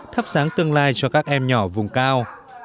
thắp sáng tương lai cho các em nhỏ vùng cao